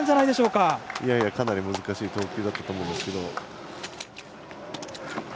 かなり難しい投球だったと思いますが。